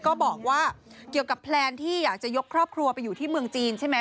ก็บอกว่าเกี่ยวกับแพลนที่อยากจะยกครอบครัวไปอยู่ที่เมืองจีนใช่ไหม